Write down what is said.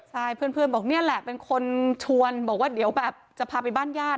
ใช่เพื่อนบอกนี่แหละเป็นคนชวนบอกว่าเดี๋ยวแบบจะพาไปบ้านญาติ